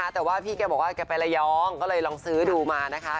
แต่ว่าพี่แกบอกว่าแกไประยองก็เลยลองซื้อดูมานะคะ